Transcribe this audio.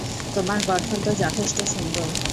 তোমার গঠন তো যথেষ্ট সুন্দর।